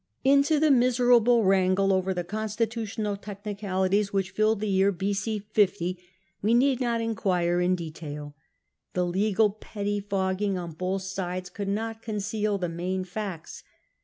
Into the miserable wrangle over the constitutional technicalities which filled the year b.c. 50 we need not inquire in detail. The legal pettifogging on both sides could not conceal the main facts.